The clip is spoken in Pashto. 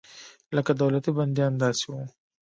لکه دولتي بندیان داسې وو.